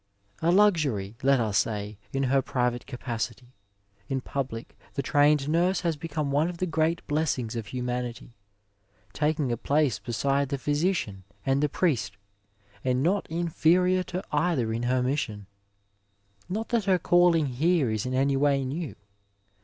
A luxury, let us say, in her private capacity, in public the trained nurse has become one of the great blessings of humanity, taking a place beside the physician and the priest, and not inferior to either in her mission. Not that her calling here is in any way new.